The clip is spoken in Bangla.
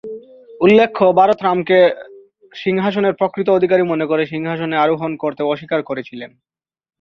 উল্লেখ্য, ভরত রামকে সিংহাসনের প্রকৃত অধিকারী মনে করে, সিংহাসনে আরোহণ করতেও অস্বীকার করেছিলেন।